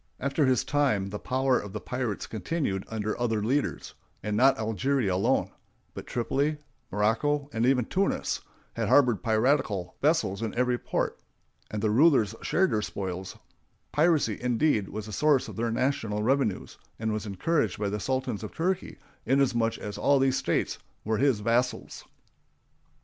After his time the power of the pirates continued under other leaders; and not Algeria alone, but Tripoli, Morocco, and even Tunis, harbored piratical vessels in every port, and the rulers shared their spoils; piracy, indeed, was the source of their national revenues, and was encouraged by the Sultan of Turkey inasmuch as all these states were his vassals.